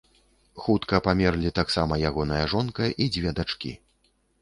Хутка памерлі таксама ягоная жонка і дзве дачкі.